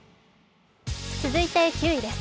続いて９位です。